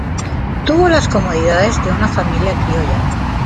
Tuvo las comodidades de una familia criolla.